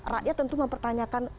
rakyat tentu mempertanyakan